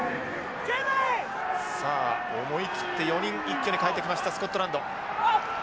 さあ思い切って４人一挙に代えてきましたスコットランド。